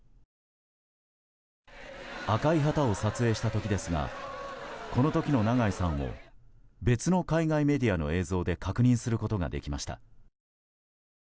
赤い旗を撮影した時ですがこの時の長井さんを別の海外メディアの映像で確認することができました。